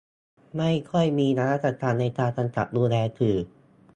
ไม่ค่อยมีนวัตกรรมในการกำกับดูแลสื่อ